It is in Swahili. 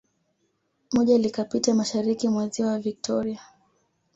Moja likapita mashariki mwa Ziwa Victoria